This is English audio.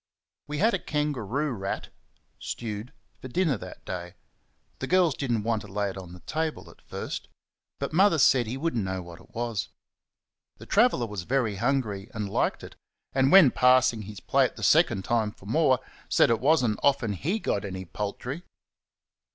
We had a kangaroo rat (stewed) for dinner that day. The girls did n't want to lay it on the table at first, but Mother said he would n't know what it was. The traveller was very hungry and liked it, and when passing his plate the second time for more, said it was n't often he got any poultry.